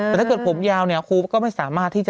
แต่ถ้าเกิดผมยาวเนี่ยก็ไม่คุณสามารถ